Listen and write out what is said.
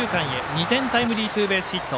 ２点タイムリーツーベースヒット。